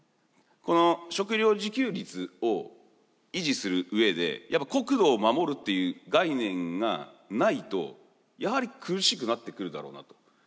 この食料自給率を維持する上でやっぱり国土を守るという概念がないとやはり苦しくなってくるだろうなと。